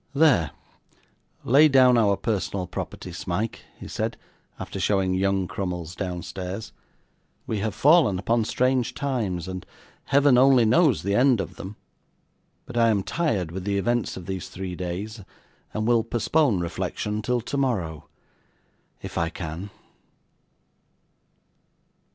'There! Lay down our personal property, Smike,' he said, after showing young Crummles downstairs. 'We have fallen upon strange times, and Heaven only knows the end of them; but I am tired with the events of these three days, and will postpone reflection till tomorrow if I can.